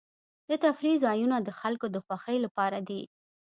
د تفریح ځایونه د خلکو د خوښۍ لپاره دي.